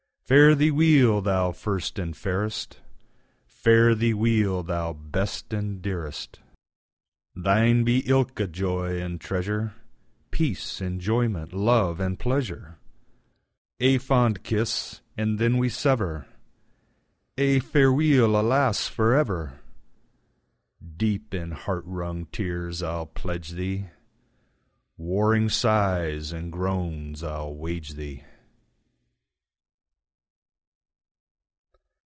Fare thee weel, thou first and fairest! Fare thee weel, thou best and dearest! Thine be ilka joy and treasure, Peace, Enjoyment, Love and Pleasure! Ae fond kiss, and then we sever! Ae fareweeli alas, for ever! Deep in heart wrung tears I'll pledge thee, Warring sighs and groans I'll wage thee.